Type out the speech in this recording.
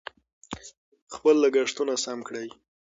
خپل لګښتونه سم کړئ.